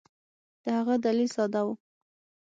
د هغه دلیل ساده وو.